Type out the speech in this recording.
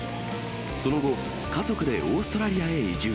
その後、家族でオーストラリアへ移住。